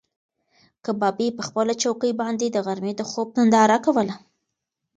کبابي په خپله چوکۍ باندې د غرمې د خوب ننداره کوله.